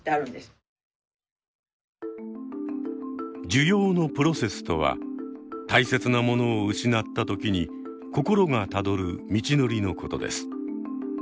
「受容のプロセス」とは大切なものを失った時に心がたどる道のりのことです。